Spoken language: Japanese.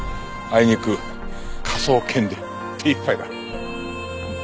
あいにく「カソーケン」で手いっぱいだ。